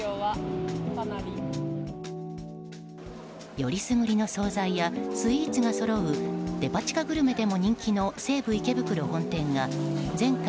選りすぐりの総菜やスイーツがそろうデパ地下グルメでも人気の西武池袋本店が全館